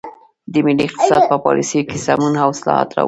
د ملي اقتصاد په پالیسیو کې سمون او اصلاحات راوړي.